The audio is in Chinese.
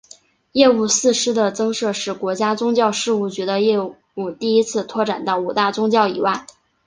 业务四司的增设使国家宗教事务局的业务第一次拓展到五大宗教以外。